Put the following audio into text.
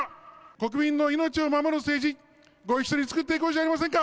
国民の命を守る政治、ご一緒に作っていこうじゃありませんか。